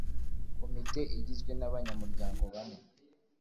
komite igizwe n’ abanyamuryango bane